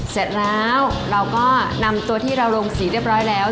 เสร็จแล้วเราก็นำตัวที่เราลงสีเรียบร้อยแล้ว